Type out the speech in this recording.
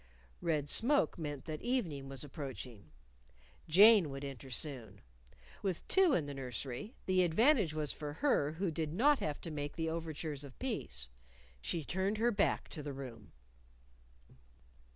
Red smoke meant that evening was approaching. Jane would enter soon. With two in the nursery, the advantage was for her who did not have to make the overtures of peace. She turned her back to the room.